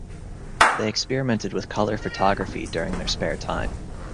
They experimented with color photography during their spare time.